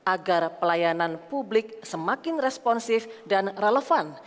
agar pelayanan publik semakin responsif dan relevan